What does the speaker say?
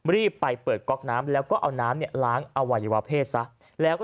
รีบไปเปิดก๊อกน้ำแล้วก็เอาน้ำเนี่ยล้างอวัยวะเพศซะแล้วก็